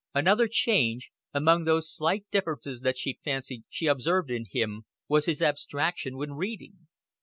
Another change, among those slight differences that she fancied she observed in him, was his abstraction when reading.